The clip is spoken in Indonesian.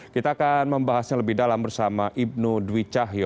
kita akan membahasnya lebih dalam bersama ibnu dwi cahyo